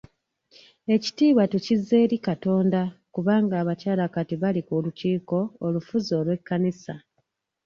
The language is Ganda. Ekitiibwa tukizza eri Katonda kubanga abakyala kati bali ku lukiiko olufuzi olw'ekkanisa.